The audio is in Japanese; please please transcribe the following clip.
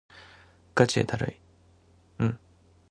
ガチでだるい